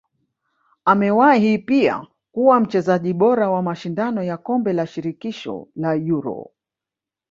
Amewahi pia kuwa mchezaji bora wa mashindano ya kombe la shirikisho la Euro